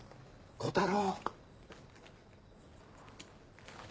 小太郎！